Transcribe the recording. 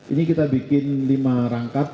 ini kita bikin lima rangkap